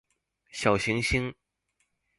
小行星